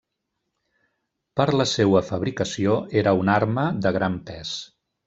Per la seua fabricació, era una arma de gran pes.